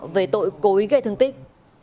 về tội cố ý gây thương tích